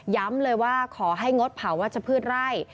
ย้ำเลยว่าขอให้งดเผาว่าจะพืชไร่